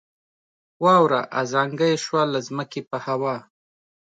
واوره ازانګه یې شوه له ځمکې په هوا